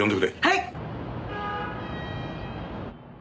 はい！